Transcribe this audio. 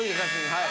はい。